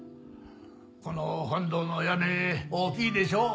この本堂の屋根大きいでしょう。